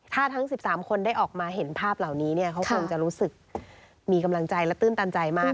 ถ้าทั้ง๑๓คนได้ออกมาเห็นภาพเหล่านี้เนี่ยเขาคงจะรู้สึกมีกำลังใจและตื้นตันใจมาก